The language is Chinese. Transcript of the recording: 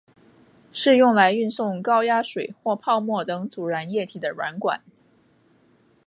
是用来运送高压水或泡沫等阻燃液体的软管。